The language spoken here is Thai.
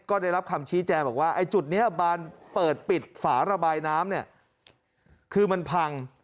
ก็ได้รับคำชี้แจงจบที่ว่าจุดนี้เปิดปิดฝาระบายน้ำคือมันพัง